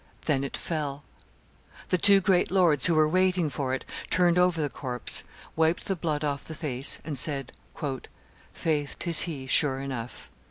Then it fell. The two great lords, who were waiting for it, turned over the corpse, wiped the blood off the face, and said, "Faith, 'tis he, sure enough."